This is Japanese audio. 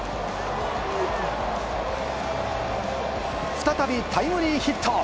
再びタイムリーヒット。